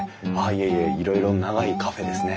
いえいえいろいろ長いカフェですね。